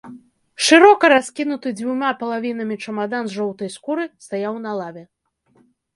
Шырока раскінуты дзвюма палавінамі чамадан з жоўтай скуры стаяў на лаве.